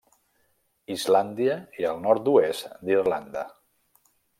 Islàndia i el nord-oest d'Irlanda.